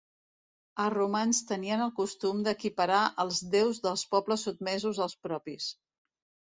Els romans tenien el costum d'equiparar els déus dels pobles sotmesos als propis.